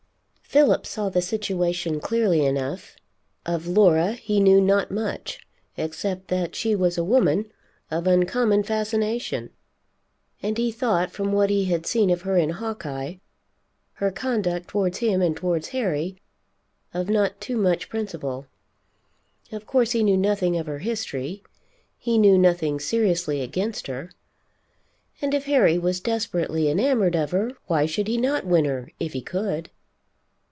Philip saw the situation clearly enough. Of Laura he knew not much, except that she was a woman of uncommon fascination, and he thought from what he had seen of her in Hawkeye, her conduct towards him and towards Harry, of not too much principle. Of course he knew nothing of her history; he knew nothing seriously against her, and if Harry was desperately enamored of her, why should he not win her if he could.